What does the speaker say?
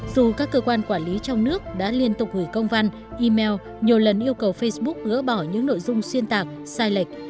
dù các cơ quan quản lý trong nước đã liên tục gửi công văn email nhiều lần yêu cầu facebook gỡ bỏ những nội dung xuyên tạc sai lệch